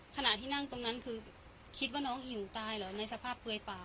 ขณะที่นั่งตรงนั้นคือคิดว่าน้องอิ๋วตายเหรอในสภาพเปลือยเปล่า